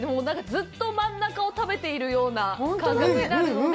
ずっと真ん中を食べているような感覚になるので。